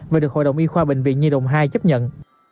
và được hội đồng y khoa bệnh viện nhi đồng hai chấp nhận